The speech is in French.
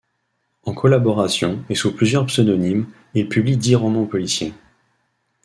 En collaboration et sous plusieurs pseudonymes, il publie dix romans policiers.